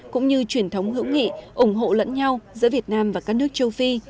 cũng như truyền thống hữu nghị ủng hộ lẫn nhau giữa việt nam và các nước châu phi